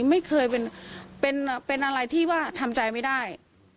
ไม่เคยเป็นเป็นเป็นอะไรที่ว่าทำใจไม่ได้